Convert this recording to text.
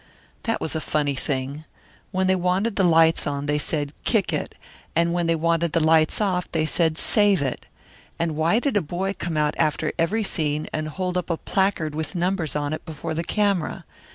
That was a funny thing. When they wanted the lights on they said "Kick it," and when they wanted the lights off they said "Save it!" And why did a boy come out after every scene and hold up a placard with numbers on it before the camera?